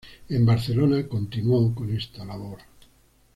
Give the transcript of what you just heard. En Barcelona continuó con esta labor.